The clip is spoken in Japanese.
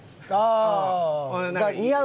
ああ。